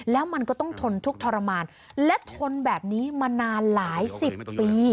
แล้วมันก็ต้องทนทุกข์ทรมานและทนแบบนี้มานานหลายสิบปี